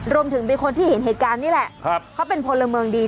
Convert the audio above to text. เป็นคนที่เห็นเหตุการณ์นี่แหละเขาเป็นพลเมืองดี